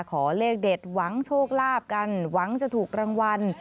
ขอเลขเด็ดหวังโชคลาภกันหวังจะถูกรางวัล